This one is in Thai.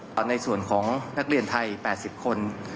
เอาในส่วนของนักเรียนไทย๘๐คน